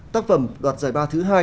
tác phẩm đoạt giải ba thứ hai